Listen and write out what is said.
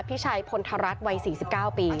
พี่ชัยพลธรัฐวัย๔๙ปี